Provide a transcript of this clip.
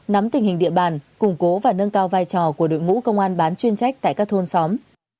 nắm tình hình địa bàn củng cố và nâng cao vai trò của đội ngũ công an bán chuyên trách tại các thôn xóm